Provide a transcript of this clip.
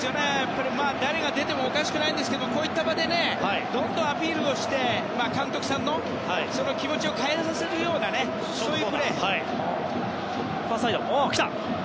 誰が出てもおかしくないんですけどこういった場でどんどんアピールして監督さんの気持ちを変えさせるようなそういうプレー。